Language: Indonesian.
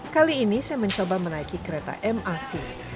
kali ini saya mencoba menaiki kereta mrt